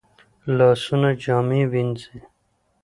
لاسونه جامې وینځي